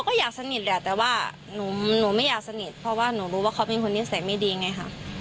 ก็อยากสนิทแหละแต่ว่าหนูไม่อยากสนิทเพราะว่าหนูรู้ว่าเขาเป็นคนนิสัยไม่ดีไงค่ะ